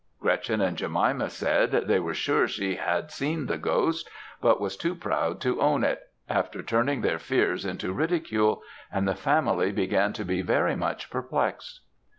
Gretchen and Jemima said, they were sure she had seen the ghost, but was too proud to own it, after turning their fears into ridicule; and the family began to be very much perplexed.